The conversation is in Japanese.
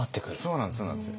そうなんですそうなんですよ。